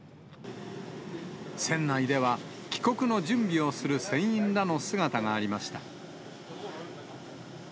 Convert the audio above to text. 船内では、帰国の準備をする船員らの姿がありました。